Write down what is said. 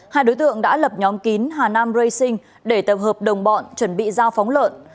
hai đối tượng đã lập nhóm kín hà nam racing để tập hợp đồng bọn chuẩn bị giao phóng lợn